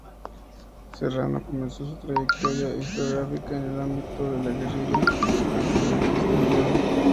Serrano comenzó su trayectoria historiográfica en el ámbito de la guerrilla antifranquista en León.